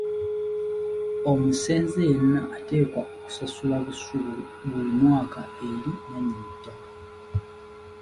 Omusenze yenna ateekwa okusasula busuulu buli mwaka eri nnannyini ttaka.